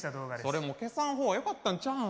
それも消さん方がよかったんちゃうん？